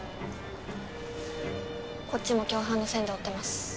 こっちも共犯の線で追ってます